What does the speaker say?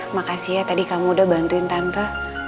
makasih ya tadi kamu udah bantuin tante